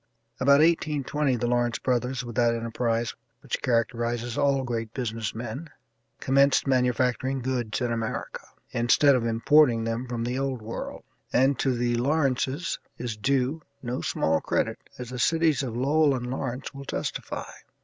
About 1820 the Lawrence brothers, with that enterprise which characterizes all great business men, commenced manufacturing goods in America, instead of importing them from the old world, and to the Lawrences is due no small credit, as the cities of Lowell and Lawrence will testify.